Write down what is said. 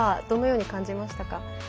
どのように感じましたか？